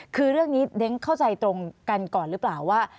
คือเรื่องนี้เด้งเข้าใจตรงกันก่อนหรือเปล่าว่า